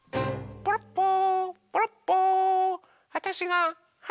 ポロッポー。